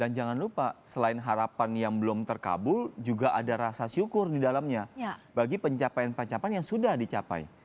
dan jangan lupa selain harapan yang belum terkabul juga ada rasa syukur di dalamnya bagi pencapaian pencapaian yang sudah dicapai